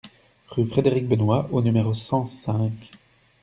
rue Frédéric Benoist au numéro cent cinq